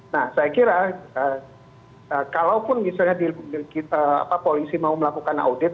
nah saya kira kalaupun misalnya polisi mau melakukan audit